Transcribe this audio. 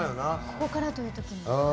ここからというときに。